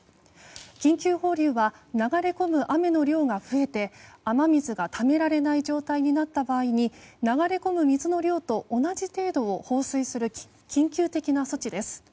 緊急放流は流れ込む雨の量が増えて雨水がためられない状態になった場合に流れ込む水の量と同じ程度を放水する緊急的な措置です。